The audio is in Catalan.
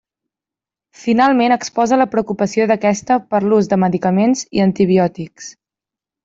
Finalment exposa la preocupació d'aquesta per l'ús de medicaments i antibiòtics.